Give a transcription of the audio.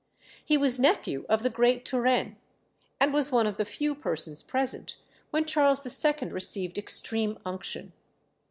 He was nephew of the great Turenne, and was one of the few persons present when Charles II. received extreme unction.